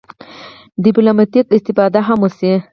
ډیپلوماټیکه استفاده هم وشي.